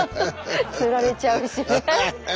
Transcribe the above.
つられちゃうし。